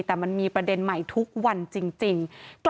แต่มันมีประเด็นใหม่ทุกวันจริง